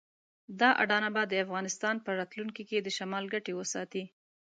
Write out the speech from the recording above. دا اډانه به د افغانستان په راتلونکي کې د شمال ګټې وساتي.